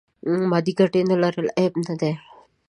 مادې ګټې نه لرل عیب نه دی.